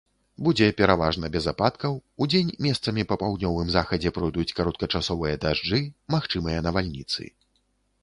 Будзе пераважна без ападкаў, удзень месцамі па паўднёвым захадзе пройдуць кароткачасовыя дажджы, магчымыя навальніцы.